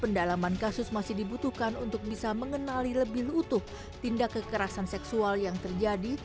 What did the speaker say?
pendalaman kasus masih dibutuhkan untuk bisa mengenali lebih utuh tindak kekerasan seksual yang terjadi